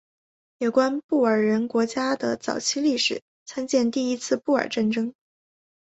有关布尔人国家的早期历史参见第一次布尔战争。